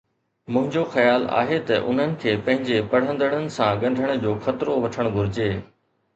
منهنجو خيال آهي ته انهن کي پنهنجي پڙهندڙن سان ڳنڍڻ جو خطرو وٺڻ گهرجي.